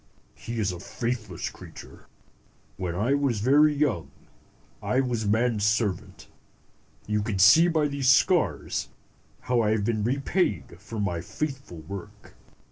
He is a faithless creature. When I was very young, I was man's servant. You can see by these scars how I have been repaid for my faithful work.